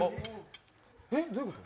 えっ、どういうこと？